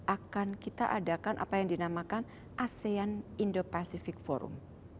akan kita adakan apa yang dinamakan asean indo pacific forum